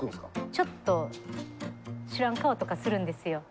ちょっと知らん顔とかするんですよ。